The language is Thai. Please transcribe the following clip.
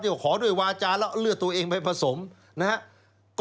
เดี๋ยวขอโดยวาจารย์แล้วเลือกตัวเองไปผสมนะครับ